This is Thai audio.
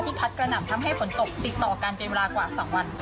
พัดกระหน่ำทำให้ฝนตกติดต่อกันเป็นเวลากว่า๒วัน